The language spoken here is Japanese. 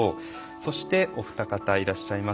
そして、お二方いらっしゃいます。